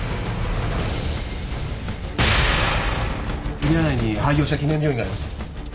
エリア内に廃業した記念病院があります。